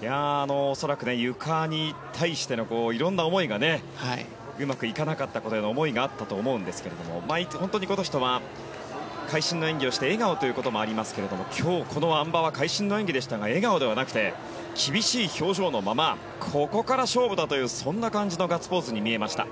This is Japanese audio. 恐らく、ゆかに対してのいろんな思いがうまくいかなかったことへの思いがあったと思うんですけれども本当にこの人は会心の演技をして笑顔というのもありますが今日このあん馬は会心の演技でしたが笑顔ではなくて厳しい表情のままここから勝負だというそんな感じのガッツポーズに見えました。